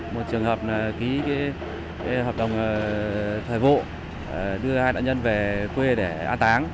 một trường hợp ký hợp đồng thời vụ đưa hai nạn nhân về quê để an táng